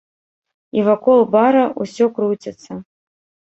І вакол бара ўсё круціцца.